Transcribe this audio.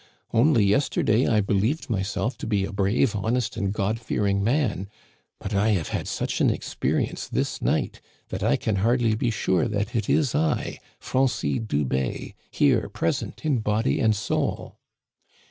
Only yesterday I believed myself to be a brave, honest, and God fearing man ; but I have had such an experience this night that I can hardly be sure that it is I, Francis Dubé, here present in body and soul.